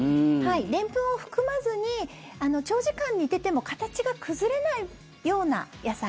でんぷんを含まずに長時間煮てても形が崩れないような野菜。